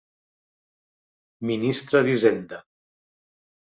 Ministre d'Hisenda